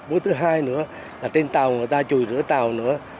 mối thứ hai nữa là trên tàu người ta chùi rửa tàu nữa